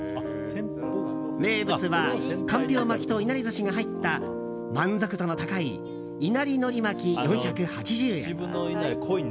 名物は、かんぴょう巻きといなり寿司が入った満足度の高いいなりのりまき、４８０円。